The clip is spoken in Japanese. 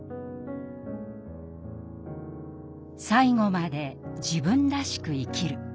最期まで自分らしく生きる。